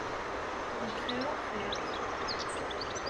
D lxir axir.